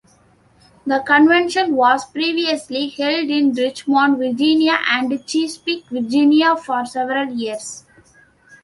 The convention was previously held in Richmond, Virginia and Chesapeake, Virginia for several years.